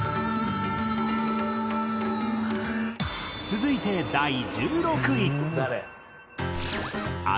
続いて第１６位。